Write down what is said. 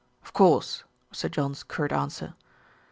"Of course," was Sir John's curt answer.